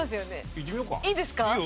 いいんですか？